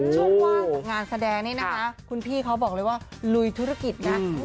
ช่วงว่างจากงานแสดงนี่นะคะคุณพี่เขาบอกเลยว่าลุยธุรกิจนะ